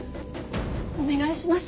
お願いします。